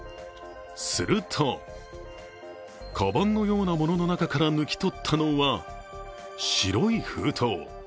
するとかばんのようなものの中から抜き取ったのは白い封筒。